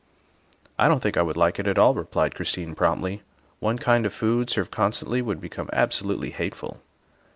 " I don't think I would like it at all," replied Chris tine promptly. " One kind of food served constantly would become absolutely hateful."